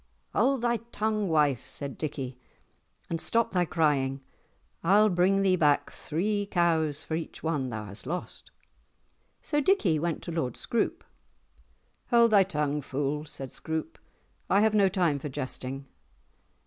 "Hold thy tongue, wife," said Dickie, "and stop thy crying. I'll bring thee back three cows for each one that thou hast lost." So Dickie went to Lord Scroope. "Hold thy tongue, fool," said Scroope. "I have no time for jesting."